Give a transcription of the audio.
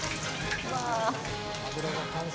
うわ！